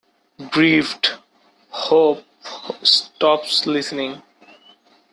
Grieved, Hope stops listening.